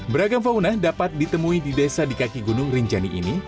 beragam fauna dapat ditemui di desa di kaki gunung rinjani ini